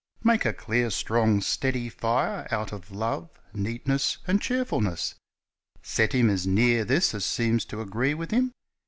"Make a clear, strong, steady fire out of Love, Neatness, and Cheerfulness. Set him as near this as seems to agree with him.